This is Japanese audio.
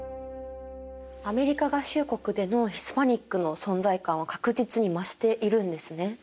アメリカ合衆国でのヒスパニックの存在感は確実に増しているんですね。